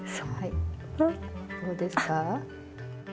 どうですか？